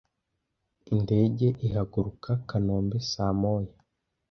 Indege ihaguruka kanombe saa moya.